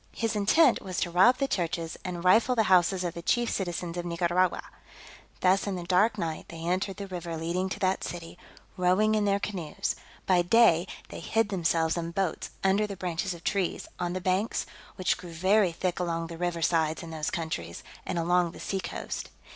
His intent was to rob the churches, and rifle the houses of the chief citizens of Nicaragua. Thus in the dark night they entered the river leading to that city, rowing in their canoes; by day they hid themselves and boats under the branches of trees, on the banks, which grow very thick along the river sides in those countries, and along the sea coast.